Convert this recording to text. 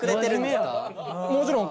もちろん。